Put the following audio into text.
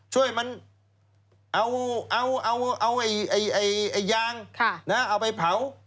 ช่วยมันเอายางเอาไปเผา